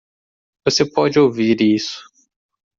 Você pode ouvir isso.